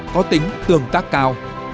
có tính tường tác cao